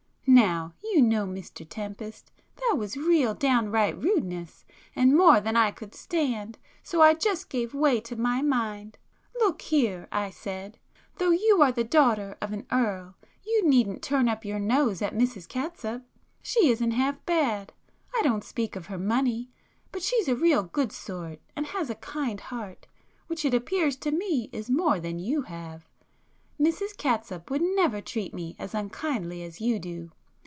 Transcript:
Now, you know, Mr Tempest, that was real downright rudeness, and more than I could stand so I just gave way to my mind. 'Look here,' I said—'though you are the daughter of an Earl, you needn't turn up your nose at Mrs Catsup. She isn't half bad,—I don't speak of her money,—but she's a real good sort, and has a kind heart, which it appears to me is more than you have. Mrs Catsup would never treat me as unkindly as you do.